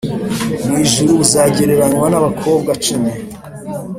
mu ijuru buzagereranywa n’abakobwa icumi.